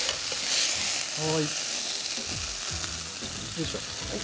よいしょ。